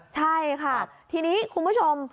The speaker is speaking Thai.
ใช่ค่ะทีนี้คุณผู้ชม